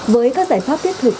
với các giải pháp thiết thực